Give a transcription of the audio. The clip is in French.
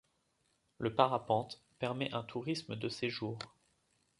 Le parapente permet un tourisme de séjour.